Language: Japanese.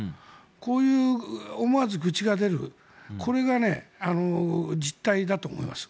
こういう思わず愚痴が出るこれが実態だと思います。